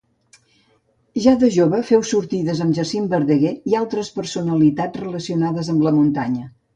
Ja de jove féu sortides amb Jacint Verdaguer i altres personalitats relacionades amb la muntanya.